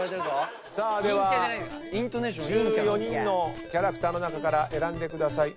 では１４人のキャラクターの中から選んでください。